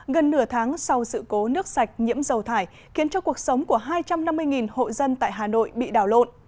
gần nửa tháng sau sự cố nước sạch nhiễm dầu thải khiến cho cuộc sống của hai trăm năm mươi hộ dân tại hà nội bị đảo lộn